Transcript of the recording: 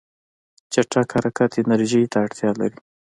چټک حرکت انرژي ته اړتیا لري.